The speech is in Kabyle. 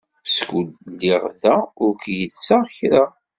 Skud lliɣ da, ur k-yettaɣ kra.